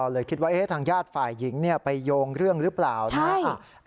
เลยคิดว่าทางญาติฝ่ายหญิงไปโยงเรื่องหรือเปล่านะ